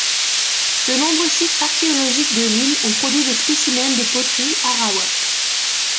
De nombreux sites archéologiques de l'île ont produit des spécimens de poterie arawak.